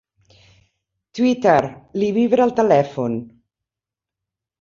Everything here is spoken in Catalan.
Twitter, li vibra el telèfon.